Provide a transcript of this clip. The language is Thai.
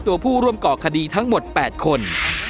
ตัวผู้ร่วมก่อคดีทั้งหมด๘คน